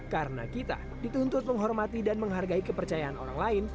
karena kita dituntut menghormati dan menghargai kepercayaan orang lain